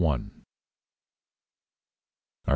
_ Arg.